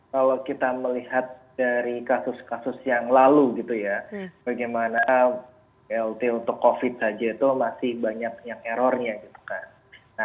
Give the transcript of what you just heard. kalau kita melihat dari kasus kasus yang lalu gitu ya bagaimana blt untuk covid saja itu masih banyak errornya gitu kan